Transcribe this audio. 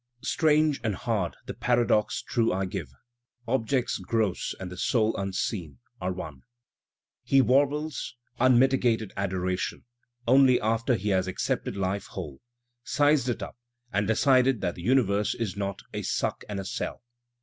Strange an^ hard the paradox true I give, Objects gross and the soul unseen are one. He warbles "unmitigated adoration" only after he has accepted life whole, "sized it up" and decided that the uni verse is not "a suck and a sell."